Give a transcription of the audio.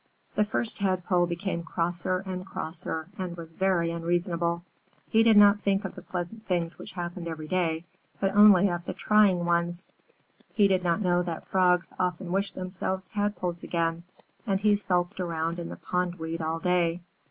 The First Tadpole became crosser and crosser, and was very unreasonable. He did not think of the pleasant things which happened every day, but only of the trying ones. He did not know that Frogs often wished themselves Tadpoles again, and he sulked around in the pondweed all day.